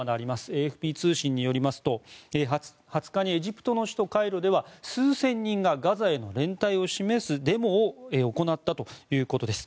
ＡＦＰ通信によりますと２０日にエジプトの首都カイロでは数千人がガザへの連帯を示すデモを行ったということです。